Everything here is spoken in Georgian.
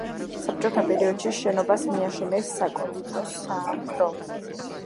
საბჭოთა პერიოდში შენობას მიაშენეს საკონდიტრო საამქრო.